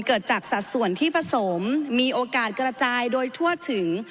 เกิดจากสัดส่วนที่ผสมมีโอกาสกระจายโดยทั่วถึง